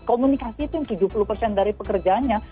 komunikasi itu tujuh puluh dari pekerjaannya